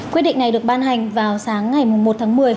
quyết định này được ban hành vào sáng ngày một tháng một mươi